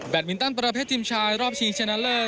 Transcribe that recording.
มินตันประเภททีมชายรอบชิงชนะเลิศ